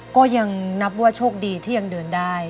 ก็ยังนับว่าโชคดีที่ยังเดินได้